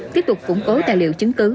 tiếp tục củng cố tài liệu chứng cứ